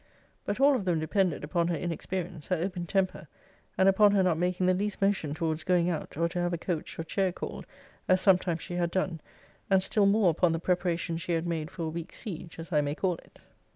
But all of them depended upon her inexperience, her open temper, and upon her not making the least motion towards going out, or to have a coach or chair called, as sometimes she had done; and still more upon the preparations she had made for a week's siege, as I may call it.